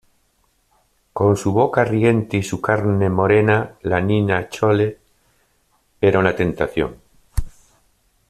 con su boca riente y su carne morena, la Niña Chole era una tentación.